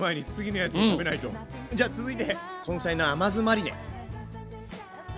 じゃ続いて根菜の甘酢マリネ。